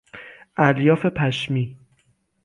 الیاف پشمی